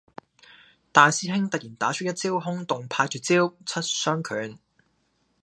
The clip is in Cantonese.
大師兄突然打出一招崆峒派絕招，七傷拳